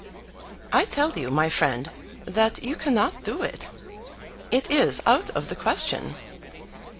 "I tell you, my friend, that you cannot do it. It is out of the question.